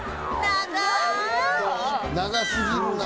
長すぎるな。